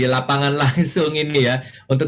lapangan langsung ini ya untuk